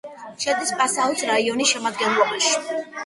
შედის პასაუს რაიონის შემადგენლობაში.